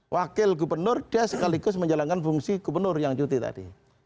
wakil gubernur dia sekaligus menjalankan fungsi gubernur yang cuti tadi